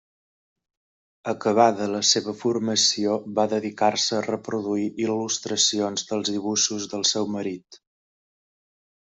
Acabada la seva formació va dedicar-se a reproduir il·lustracions dels dibuixos del seu marit.